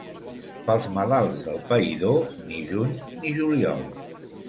Pels malalts del païdor, ni juny ni juliol.